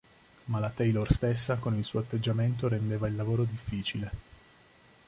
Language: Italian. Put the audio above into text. Ma la Taylor stessa con il suo atteggiamento rendeva il lavoro difficile.